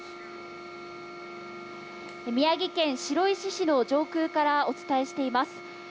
宮城県白石市の上空からお伝えしています。